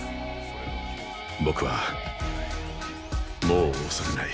僕はもう恐れない。